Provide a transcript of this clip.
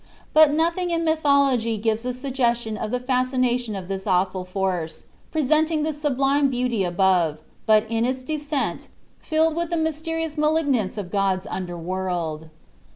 But nothing in mythology gives a suggestion of the fascination of this awful force, presenting the sublime beauty above, but in its descent filled with the mysterious malignance of God's underworld.